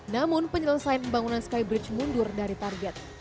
namun penyelesaian pembangunan skybridge mundur dari target